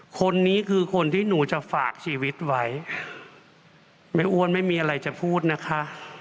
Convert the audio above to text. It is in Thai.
คนนี้คือคนที่หนูจะฝากชีวิตไว้แม่อ้วนไม่มีอะไรจะพูดนะคะ